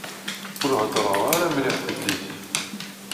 Ur heddreɣ ara mliḥ Taglizit.